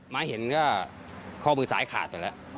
มาเห็นก็ข้อมือซ้ายขาดไปแล้ว